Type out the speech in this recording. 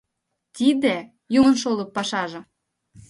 Тиде — Юмын шолып пашаже.